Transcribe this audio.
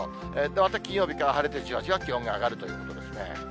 また金曜日から晴れて、じわじわ気温が上がるということですね。